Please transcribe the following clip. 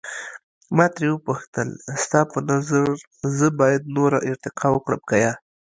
ما ترې وپوښتل، ستا په نظر زه باید نوره ارتقا وکړم که یا؟